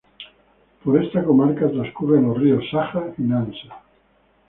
Por esta comarca transcurren los ríos Saja y Nansa.